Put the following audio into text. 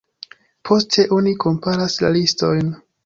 Poste oni komparas la listojn.